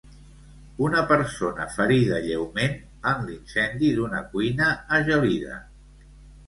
Una persona ferida lleument en l'incendi d'una cuina a Gelida.